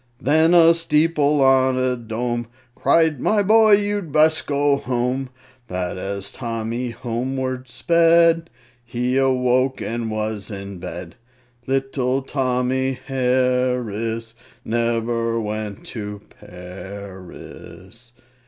Then a steeple on a dome Cried, "My boy, you'd best go home." But as Tommy homeward sped, He awoke and was in bed! Little Tommy Harris Never went to Paris!